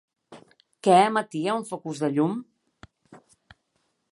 Què emetia un focus de llum?